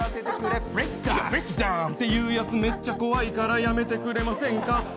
ブレイクダンっていうやつ、めっちゃ怖いからやめてくれませんか。